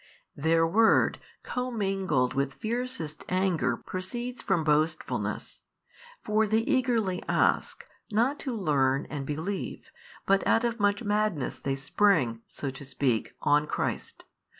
Their word commingled with fiercest anger proceeds from boastfulness. For they eagerly ask, not to learn and believe, but out of much madness they spring (so to speak) on Christ.